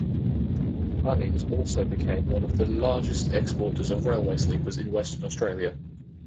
Bunnings also became one of the largest exporters of railway sleepers in Western Australia.